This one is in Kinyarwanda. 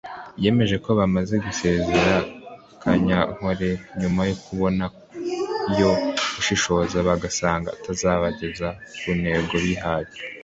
yemeje ko bamaze gusezerera Kanyankore nyuma yo kubona yo gushishoza bagasanga atazabageza ku ntego bihaye